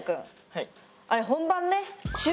はい。